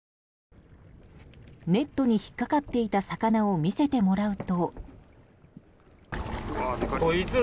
ネットに引っかかっていた魚を見せてもらうと。